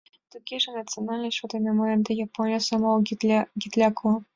— Тугеже национальность шот дене мый ынде японец омыл, гиляк улам.